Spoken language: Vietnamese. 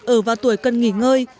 ở vào tuổi cần nghỉ ngơi